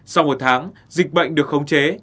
sau một tháng dịch bệnh được khống chế